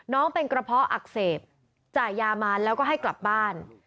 น้องเป็นกระเพาะอักเสบจ่ายยามาแล้วก็ให้กลับบ้าน